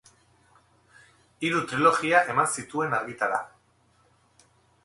Hiru trilogia eman zituen argitara.